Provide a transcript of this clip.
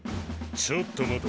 ちょっと待て。